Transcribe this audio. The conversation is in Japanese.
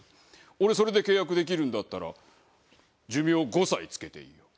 俺それで契約できるんだったら寿命５歳付けていいよ。